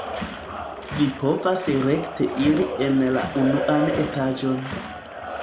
Vi povas rekte iri en la unuan etaĝon.